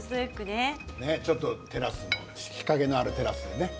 ちょっと日陰のあるテラスでね。